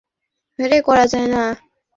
অন্যের ভরসায় আর যা কিছু হোক যুদ্ধ করা যায় না।